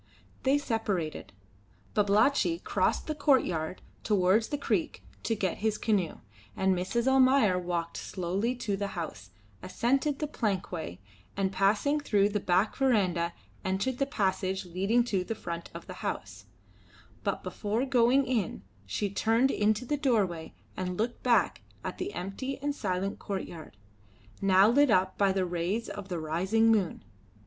They separated. Babalatchi crossed the courtyard towards the creek to get his canoe, and Mrs. Almayer walked slowly to the house, ascended the plankway, and passing through the back verandah entered the passage leading to the front of the house; but before going in she turned in the doorway and looked back at the empty and silent courtyard, now lit up by the rays of the rising moon.